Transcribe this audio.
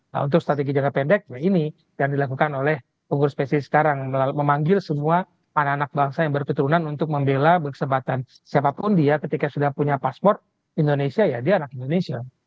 nah untuk strategi jangka pendek ini yang dilakukan oleh pengurus psi sekarang memanggil semua anak anak bangsa yang berketurunan untuk membela kesempatan siapapun dia ketika sudah punya pasport indonesia ya dia anak indonesia